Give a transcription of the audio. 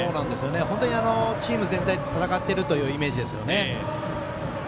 本当にチーム全体で戦っているというイメージですね。